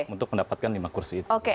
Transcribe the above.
untuk mendapatkan lima kursi itu